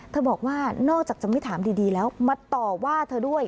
บอกว่านอกจากจะไม่ถามดีแล้วมาต่อว่าเธอด้วย